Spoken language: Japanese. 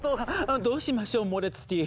どうしましょモレツティ。